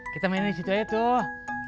kita main di situ aja tuh